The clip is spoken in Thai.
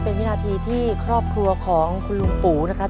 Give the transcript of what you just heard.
เป็นวินาทีที่ครอบครัวของคุณลุงปู่นะครับ